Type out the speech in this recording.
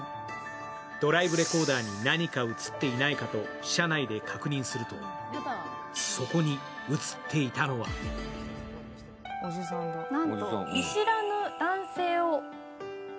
ドライブレコーダーに何か映っていないかと車内で確認するとそこに映っていたのは殴ってますね。